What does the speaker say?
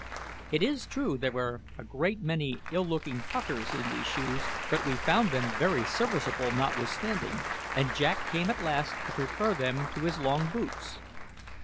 It is true there were a great many ill looking puckers in these shoes; but we found them very serviceable notwithstanding, and Jack came at last to prefer them to his long boots.